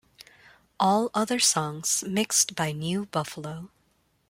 All other songs mixed by New Buffalo.